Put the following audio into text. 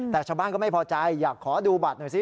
แต่ชาวบ้านก็ไม่พอใจอยากขอดูบัตรหน่อยสิ